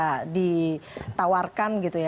seperti apa yang bisa ditawarkan gitu ya